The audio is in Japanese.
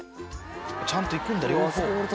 ちゃんと行くんだ両方。